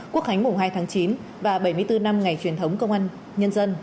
quốc hành mùa hai tháng chín và bảy mươi bốn năm ngày truyền thống công an nhân dân